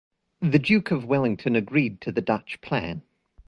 The Duke of Wellington agreed to the Dutch plan.